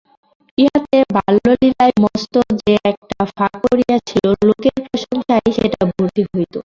ইহাতে বাল্যলীলায় মস্ত যে একটা ফাঁক পড়িয়াছিল লোকের প্রশংসায় সেটা ভর্তি হইত।